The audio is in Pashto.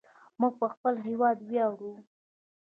موږ په خپل هیواد ویاړو.